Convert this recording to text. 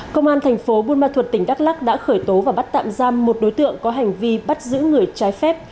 công an thành phố buôn ma thuật tỉnh đắk lắc đã khởi tố và bắt tạm giam một đối tượng có hành vi bắt giữ người trái phép